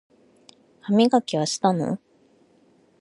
歯磨きはしたの？